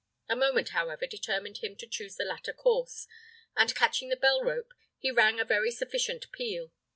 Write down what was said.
A moment, however, determined him to choose the latter course; and catching the bell rope, he rang a very sufficient peal.